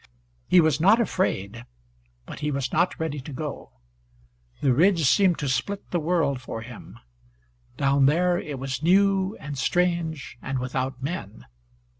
He was not afraid, but he was not ready to go. The ridge seemed to split the world for him. Down there it was new, and strange, and without men.